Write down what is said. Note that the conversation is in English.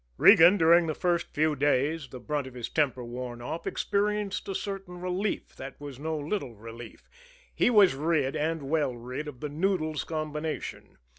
Regan, during the first few days, the brunt of his temper worn off, experienced a certain relief, that was no little relief he was rid, and well rid, of the Noodles combination.